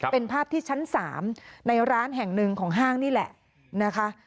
เป็นภาพที่ชั้น๓ในร้านแห่งหนึ่งของห้างนี่แหละนะคะ